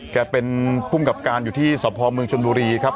แกเป็นคุ้มกับการอยู่ที่สอบพอมเมืองชนดุรีครับ